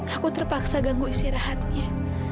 aku terpaksa ganggu istirahatnya